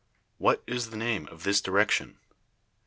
What is the name of this direction?